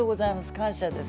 感謝です。